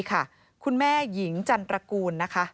คุณแม่หญิงจันตรกูล